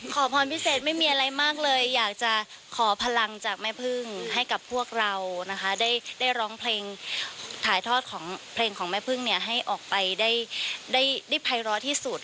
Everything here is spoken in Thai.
ขอพรพิเศษไม่มีอะไรมากเลยอยากจะขอพลังจากแม่พึ่งให้กับพวกเรานะคะได้ร้องเพลงถ่ายทอดของเพลงของแม่พึ่งเนี่ยให้ออกไปได้ภัยร้อที่สุด